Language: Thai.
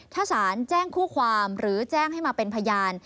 ถ้าสารแจ้งคู่ความหรือแจ้งให้มาเป็นพยาน